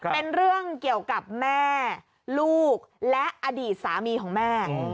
เป็นเรื่องเกี่ยวกับแม่ลูกและอดีตสามีของแม่